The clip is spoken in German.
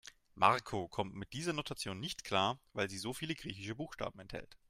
Marco kommt mit dieser Notation nicht klar, weil sie so viele griechische Buchstaben enthält.